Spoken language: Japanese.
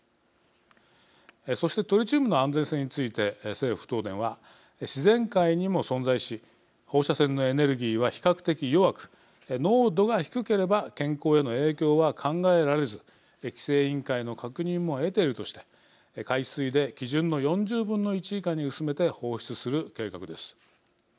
そしてトリチウムの安全性について政府、東電は、自然界にも存在し放射線のエネルギーは比較的弱く濃度が低ければ健康への影響は考えられず規制委員会の確認も得ているとして海水で基準の４０分の１以下に薄めて放出する計画です。